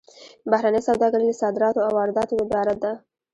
بهرنۍ سوداګري له صادراتو او وارداتو عبارت ده